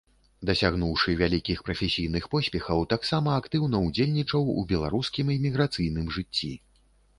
Дасягнуўшы вялікіх прафесійных поспехаў, таксама актыўна ўдзельнічаў у беларускім эміграцыйным жыцці.